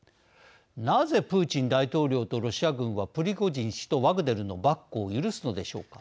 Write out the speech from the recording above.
なぜプーチン大統領とロシア軍はプリゴジン氏とワグネルのばっこを許すのでしょうか。